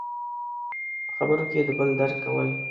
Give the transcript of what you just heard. – په خبرو کې د بل درک کول.